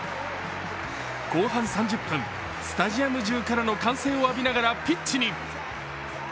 後半３０分、スタジアム中からの歓声を浴びながらピッチに。